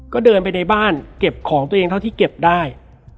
ก็เดินไปในบ้านเก็บของตัวเองเท่าที่เก็บได้